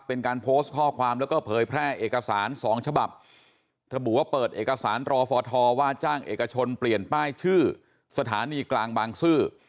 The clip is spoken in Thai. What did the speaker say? เป็นการโพสต์ข้อความแล้วก็เผยแพร่เอกสารสองฉบับระบุว่าเปิดเอกสารรอฟอทอว่าจ้างเอกชนเปลี่ยนป้ายชื่อสถานีกลางบางซื่อ